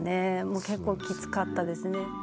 結構きつかったですね。